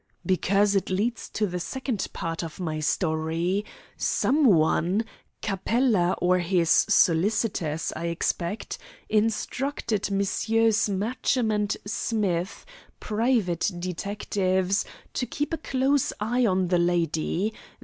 "Because it leads to the second part of my story. Someone Capella or his solicitors, I expect instructed Messrs. Matchem and Smith, private detectives, to keep a close eye on the lady.